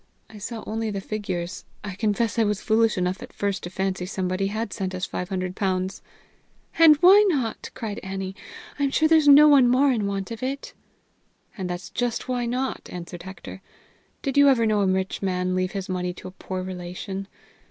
I saw only the figures. I confess I was foolish enough at first to fancy somebody had sent us five hundred pounds!" "And why not?" cried Annie. "I am sure there's no one more in want of it." "That's just why not," answered Hector. "Did you ever know a rich man leave his money to a poor relation?